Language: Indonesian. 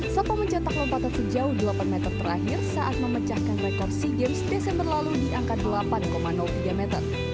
sapa mencetak lompatan sejauh delapan meter terakhir saat memecahkan rekor sea games desember lalu di angka delapan tiga meter